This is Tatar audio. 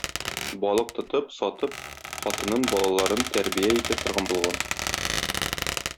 Балык тотып, сатып, хатынын-балаларын тәрбия итә торган булган.